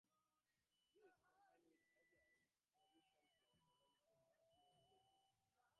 This, combined with Haskell's prohibition plan, proved too much for the state to handle.